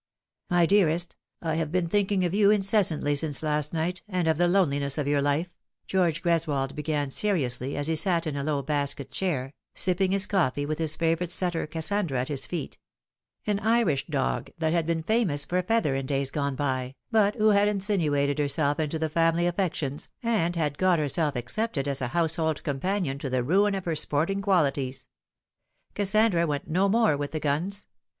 " My dearest, I have been thinking of you incessantly since Th Face in the Church. 77 last night, and of the loneliness of your life,' George Greswold began seriously, as he sat in a low basket chair, sipping his coffee, with his favourite setter Kassandra at his feet ; an Irish dog that had been famous for feather in days gone by, but who had insinuated herself into the family affections, and had got herself accepted as a household companion to the ruin of her sporting qualities. Kassandra went no more with the guns.